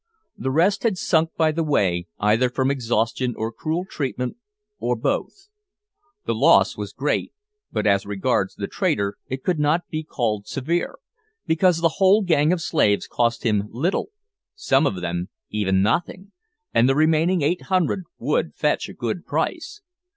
The rest had sunk by the way, either from exhaustion or cruel treatment, or both. The loss was great; but as regards the trader it could not be called severe, because the whole gang of slaves cost him little some of them even nothing! and the remaining eight hundred would fetch a good price.